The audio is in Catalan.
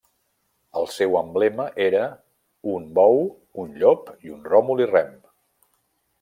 El seu emblema era un bou, un llop i Ròmul i Rem.